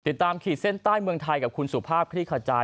ขีดเส้นใต้เมืองไทยกับคุณสุภาพคลี่ขจาย